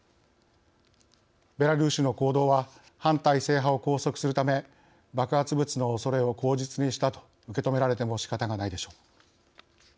ベラルーシの行動は反体制派を拘束するため爆発物のおそれを口実にしたと受け止められても仕方がないでしょう。